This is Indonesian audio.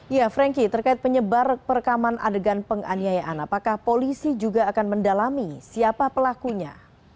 ya frankie terkait penyebar perekaman adegan penganiayaan apakah polisi juga akan mendalami siapa pelakunya